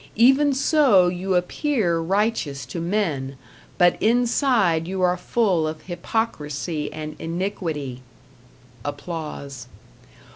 Even so you appear righteous to men, but inside you are full of hypocrisy and iniquity.